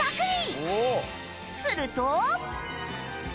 すると